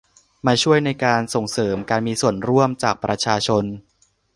มาช่วยในการส่งเสริมการมีส่วนร่วมจากประชาชน